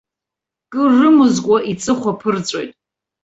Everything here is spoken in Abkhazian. Кыр рымазкуа иҵыхәа ԥырҵәоит.